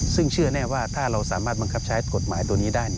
ซึ่งเชื่อแน่ว่าถ้าเราสามารถบังคับใช้กฎหมายตัวนี้ได้